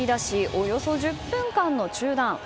およそ１０分間の中断。